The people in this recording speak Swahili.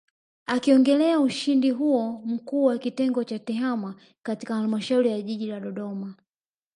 Akiongelea ushindi huo Mkuu wa Kitengo cha Tehama katika Halmashauri ya Jiji la Dodoma